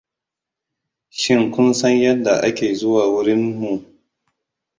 Shin kun san yadda ake zuwa wurin mu?